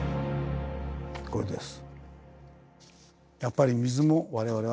これです。